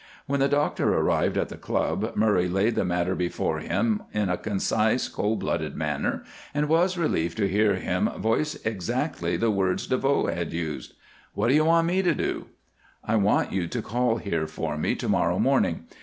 When the doctor arrived at the club, Murray laid the matter before him in a concise, cold blooded manner, and was relieved to hear him voice exactly the words DeVoe had used. "What do you want me to do?" "I want you to call here for me to morrow morning.